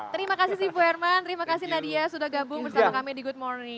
terima kasih si bu herman terima kasih nadia sudah gabung bersama kami di good morning